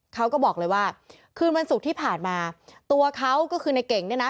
เขาก็บอกเลยว่าคืนวันศุกร์ที่ผ่านมาตัวเขาก็คือในเก่งเนี่ยนะ